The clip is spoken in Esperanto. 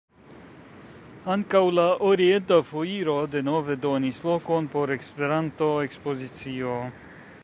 Ankaŭ la "Orienta Foiro" denove donis lokon por Espernto-ekspozicio.